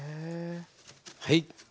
はい。